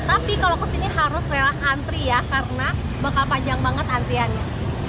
tapi kalau kesini harus rela antri ya karena bakal panjang banget antriannya